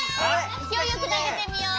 いきおいよくなげてみよう。